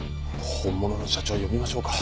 本物の社長呼びましょうか。